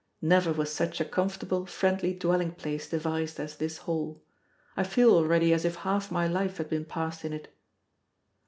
Never was such a comfortable, friendly dwelling place devised as this hall; I feel already as if half my life had been passed in it.